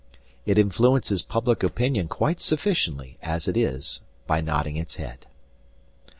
It influences public opinion quite sufficiently as it is by nodding its head.